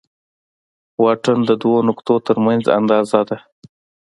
واټن د دوو نقطو تر منځ اندازه ده.